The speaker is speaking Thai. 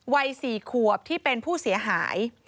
วัย๔ขวบที่เป็นผู้เสียหาย